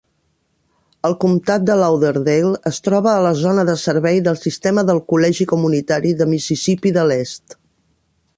El comtat de Lauderdale es troba a la zona de servei del sistema del Col·legi Comunitari de Mississippi de l'Est.